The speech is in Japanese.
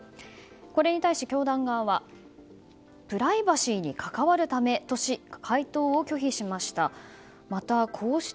これに対し、教団側はプライバシーに関わるためとし回答を拒否しました。